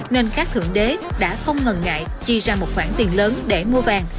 nên các thượng đế đã không ngần ngại chi ra một khoản tiền lớn để mua vàng